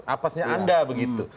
apasnya anda begitu